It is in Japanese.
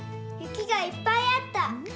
雪がいっぱいあった。